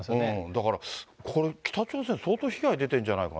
だから、北朝鮮、相当被害が出てるんじゃないかな。